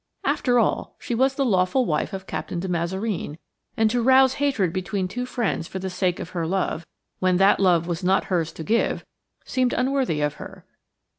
After all, she was the lawful wife of Captain de Mazareen, and to rouse hatred between two friends for the sake of her love, when that love was not hers to give, seemed unworthy of her.